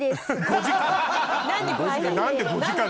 ５時間？